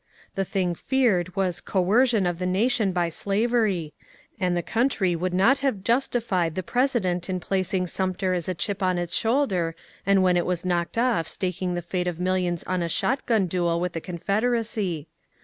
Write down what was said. The thing feared was ^^ coercion " of the nation by slavery, and the country would not have justified the President in placing Sumter as a chip on it4 shoulder and when it was knocked off staking the fate of millions on a shotgun duel with the Confedepcy.